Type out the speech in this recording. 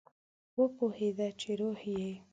وپوهیده چې روح یې